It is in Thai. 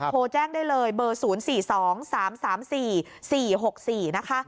โทรแจ้งได้เลยเบอร์๐๔๒๓๓๔๔๖๔นะคะ